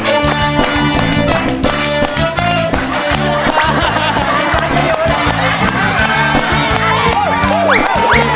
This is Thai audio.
เต้นสักพักนึงก่อน